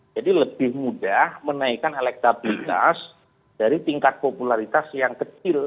jadi lebih mudah menaikkan elektabilitas dari tingkat popularitas yang kecil